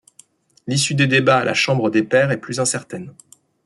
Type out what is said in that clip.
L'issue des débats à la Chambre des pairs est plus incertaine.